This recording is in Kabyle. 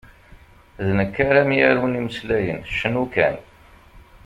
D nekk ara m-yarun imeslayen, cnu kan!